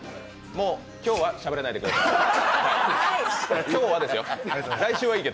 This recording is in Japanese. もう今日はしゃべらないでください。